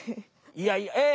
いやいやえ？え？